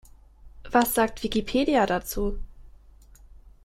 Was sagt Wikipedia dazu?